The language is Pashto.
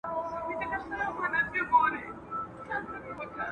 د ښې ورځي په هر کور کي یاران ډیر دي.